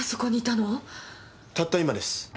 たった今です。